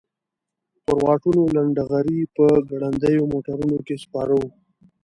پر واټونو لنډه غري په ګړندیو موټرونو کې سپاره وو.